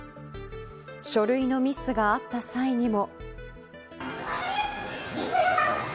書類のミスがあった際にも。